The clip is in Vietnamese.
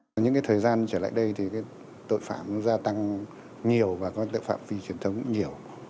trong những thời gian trở lại đây thì tội phạm gia tăng nhiều và có tội phạm phi truyền thống nhiều